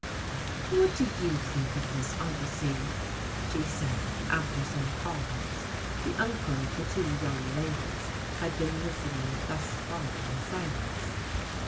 "What do you think of this, Uncle C.?" she said, after some pause. The uncle of the two young ladies had been listening thus far in silence.